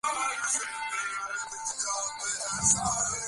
তিনি বিশেষ আপেক্ষিকতার অধীনে ত্বরণ সম্পর্কিত একটি গবেষণাপত্র প্রকাশ করেছিলেন।